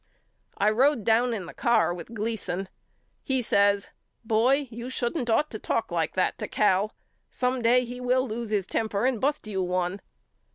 I road down in the car with Gleason. He says Boy you shouldn't ought to talk like that to Cal. Some day he will lose his temper and bust you one.